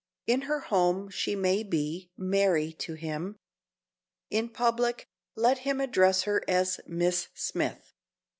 In her home she may be "Mary" to him. In public, let him address her as "Miss Smith."